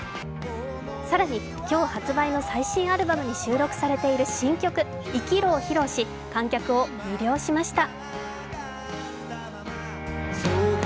更に、今日発売の最新アルバムに収録されている新曲、「生きろ」を披露し観客を魅了しました。